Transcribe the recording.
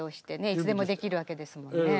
いつでもできるわけですもんね。